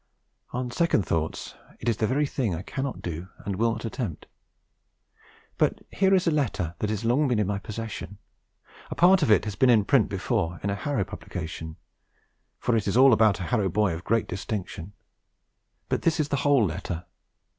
On second thoughts it is the very thing I cannot do and will not attempt. But here is a letter that has long been in my possession; a part of it has been in print before, in a Harrow publication, for it is all about a Harrow boy of great distinction; but this is the whole letter.